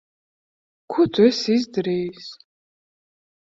Ko tu esi izdarījis?